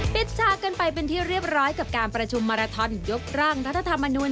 ฉากกันไปเป็นที่เรียบร้อยกับการประชุมมาราทอนยกร่างรัฐธรรมนุน